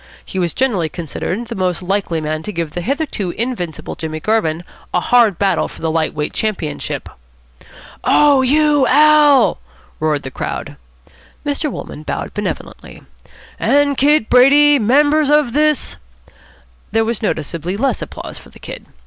He was generally considered the most likely man to give the hitherto invincible Jimmy Garvin a hard battle for the light weight championship. "Oh, you Al.!" roared the crowd. Mr. Wolmann bowed benevolently. " and Kid Brady, members of this " There was noticeably less applause for the Kid.